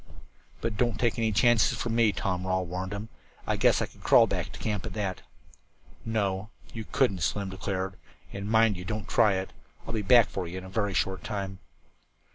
"But don't take any chances for me," Tom Rawle warned him. "I guess I could crawl back to camp, at that." "No, you couldn't," Slim declared, "and mind you don't try it. I'll be back for you in a very short time."